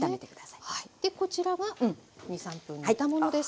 でこちらが２３分煮たものです。